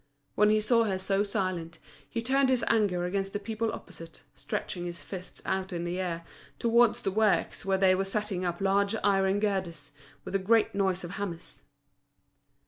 When he saw her so silent, he turned his anger against the people opposite, stretching his fists out in the air, towards the works, where they were setting up large iron girders, with a great noise of hammers.